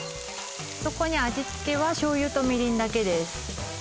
そこに味付けは醤油とみりんだけです